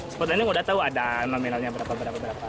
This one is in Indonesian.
spot landing udah tahu ada memang menolnya berapa berapa berapa